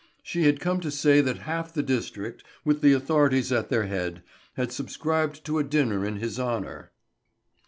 She had come to say that half the district, with the authorities at their head, had subscribed to a dinner in his honour.